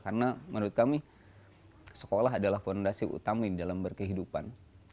karena menurut kami sekolah adalah fondasi utama dalam berkehidupan